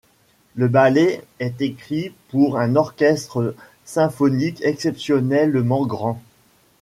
Le ballet est écrit pour un orchestre symphonique exceptionnellement grand.